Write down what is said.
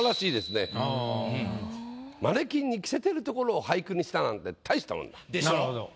いやマネキンに着せてるところを俳句にしたなんて大したもんだ。でしょ？